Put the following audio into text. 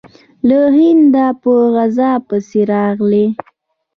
له هنده په غزا پسې راغلی.